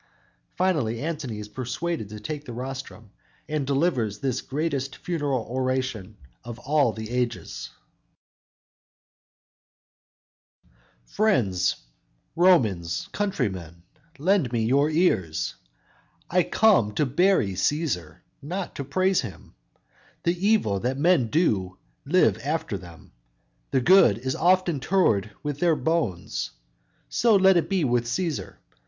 Finally Antony is persuaded to take the rostrum, and delivers this greatest funeral oration of all the ages: _"Friends, Romans, countrymen, lend me your ears; I come to bury Cæsar, not to praise him; The evil that men do live after them; The good is oft interred with their bones; So let it be with Cæsar.